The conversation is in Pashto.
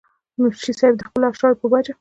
منشي صېب د خپلو اشعارو پۀ وجه